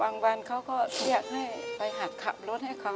บางวันเขาก็เรียกให้ไปหักขับรถให้เขา